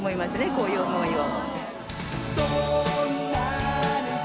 こういう思いを。